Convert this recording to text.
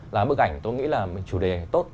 là bức ảnh tôi nghĩ là chủ đề tốt